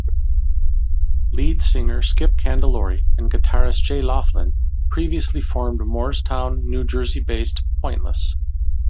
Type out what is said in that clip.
Lead singer Skip Candelori and guitarist Jay Laughlin previously formed Moorestown, New Jersey-based Pointless.